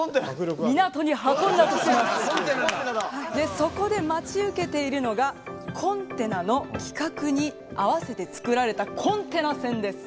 そこで待ち受けているのがコンテナの規格に合わせて造られたコンテナ船です。